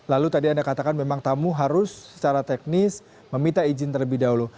lalu tadi anda katakan memang tamu harus secara teknis meminta izin terlebih dahulu